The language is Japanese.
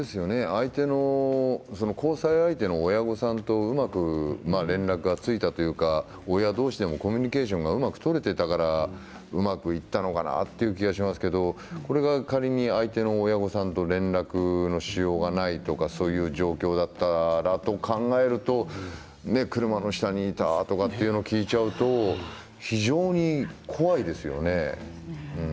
相手の交際相手の親御さんとうまく連絡がついたというか親同士でコミュニケーションがうまく取れてたからうまくいったのかなという気がしますけど仮に、相手の親御さんと連絡のしようがないとかそういう状況だったらと考えると車の下にいたとかを聞いちゃうと非常に怖いですよね。